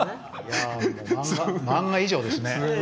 漫画以上ですね。